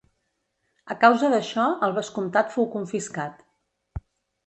A causa d'això el vescomtat fou confiscat.